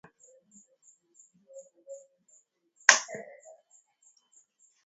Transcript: wametoa wito kwa wananchi wa nchi hiyo kususia kura hiyo kwa kuwa